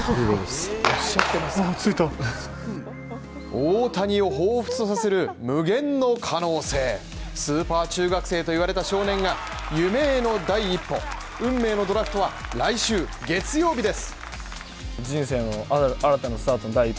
大谷を彷彿とさせる、無限の可能性、スーパー中学生と言われた少年が運命の第一歩、運命のドラフトは来週月曜日です。